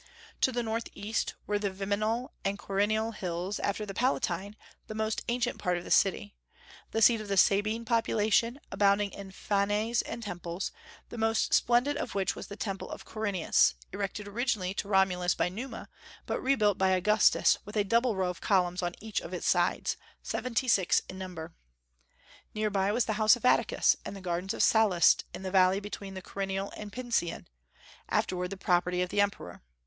To the northeast were the Viminal and Quirinal hills, after the Palatine the most ancient part of the city, the seat of the Sabine population, abounding in fanes and temples, the most splendid of which was the Temple of Quirinus, erected originally to Romulus by Numa, but rebuilt by Augustus, with a double row of columns on each of its sides, seventy six in number. Near by was the house of Atticus, and the gardens of Sallust in the valley between the Quirinal and Pincian, afterward the property of the Emperor.